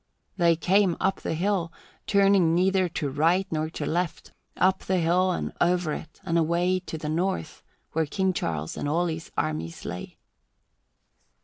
They came up the hill, turning neither to right nor to left, up the hill and over it, and away to the north, where King Charles and all his armies lay.